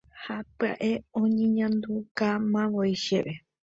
Ha pya'e oñeñandukamavoi chéve.